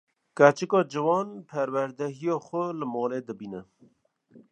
Keçika ciwan, perwerdehiya xwe li malê dibîne